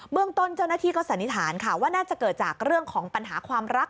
เรื่องต้นเจ้าหน้าที่ก็สันนิษฐานค่ะว่าน่าจะเกิดจากเรื่องของปัญหาความรัก